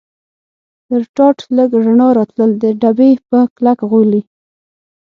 تر ټاټ لږ رڼا راتلل، د ډبې په کلک غولي.